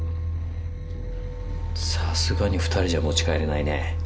さすがに２人じゃ持ち帰れないね。